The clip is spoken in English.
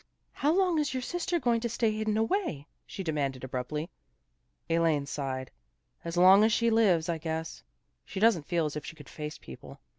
" How long is your sister going to stay hidden away? " she de manded abruptly. Elaine sighed. " As long as she lives, I guess. She doesn't feel as if she could face people."